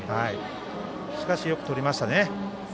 しかし、よくとりましたね。